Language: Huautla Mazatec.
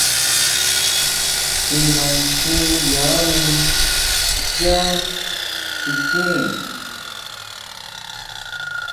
Kjima kjín yani yá chiquin.